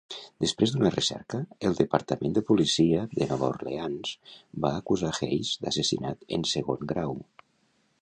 Després d'una recerca, el Departament de Policia de Nova Orleans va acusar Hayes d'assassinat en segon grau.